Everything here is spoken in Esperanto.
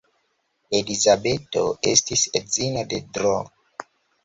Elizabeto estis edzino de Dro.